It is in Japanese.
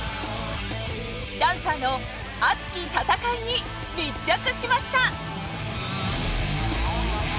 ダンサーの熱き戦いに密着しました！